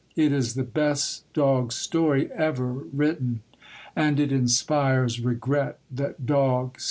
It is the best dog story ever written, and it inspires regret that dogs cannot read.